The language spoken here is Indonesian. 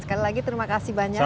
sekali lagi terima kasih banyak